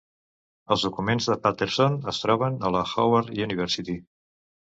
Els documents de Patterson es troben a la Howard University.